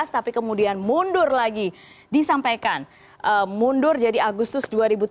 tapi kemudian mundur lagi disampaikan mundur jadi agustus dua ribu tujuh belas